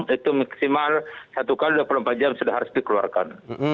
itu maksimal satu x dua puluh empat jam sudah harus dikeluarkan